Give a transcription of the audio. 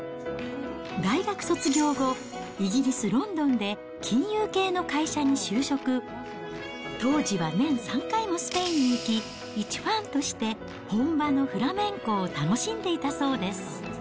大学卒業後、イギリス・ロンドンで金融系の会社に就職、当時は年３回もスペインに行き、一ファンとして本場のフラメンコを楽しんでいたそうです。